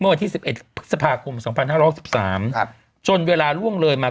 เมื่อวันที่สิบเอ็ดสภาคมสองพันห้าร้อยสิบสามครับจนเวลาร่วงเลยมา